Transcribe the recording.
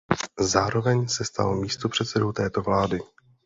Zároveň se stal místopředsedou této vlády.